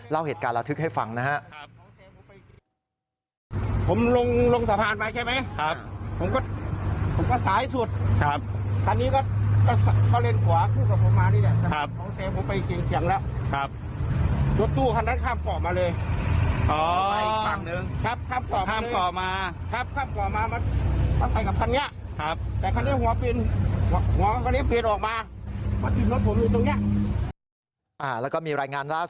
เล่าเหตุการณ์ระทึกให้ฟังนะครับ